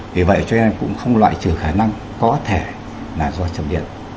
vì vậy cho nên cũng không loại trừ khả năng có thể là do chập điện